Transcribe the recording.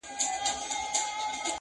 ډېري مو وکړې د تاریخ او د ننګونو کیسې.